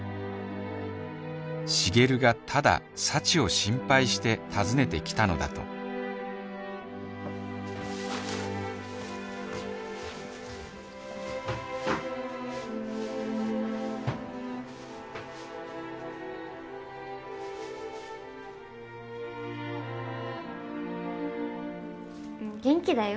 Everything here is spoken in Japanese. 重流がただ幸を心配して訪ねてきたのだとうん元気だよ？